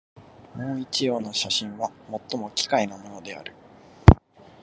もう一葉の写真は、最も奇怪なものである